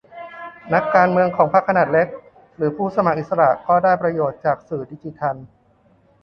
นักการเมืองของพรรคขนาดเล็ก หรือผู้สมัครอิสระก็ได้ประโยชน์จากสื่อดิจิทัล